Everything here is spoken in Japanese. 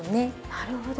なるほど。